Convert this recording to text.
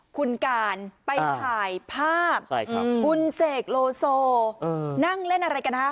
คุณการไปถ่ายภาพคุณเสกโลโซนั่งเล่นอะไรกันฮะ